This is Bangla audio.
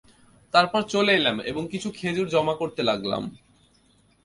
তারপর চলে এলাম এবং কিছু খেজুর জমা করতে লাগলাম।